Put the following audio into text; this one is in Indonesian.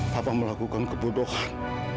papa melakukan kebodohan